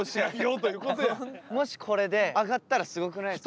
もしこれで上がったらすごくないですか。